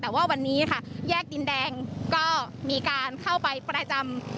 แต่ว่าวันนี้ค่ะแยกดินแดงก็มีการเข้าไปประจำ